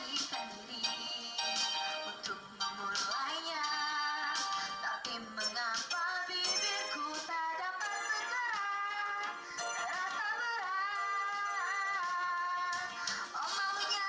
hai aku berani sendiri untuk memulainya tapi mengapa bibirku tak dapat segera